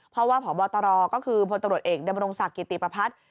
เพราะว่าพบตรก็คือพตรเอกดศกิติปราพัทย์